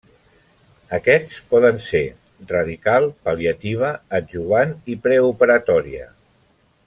Aquests poden ser: radical, pal·liativa, adjuvant i preoperatòria.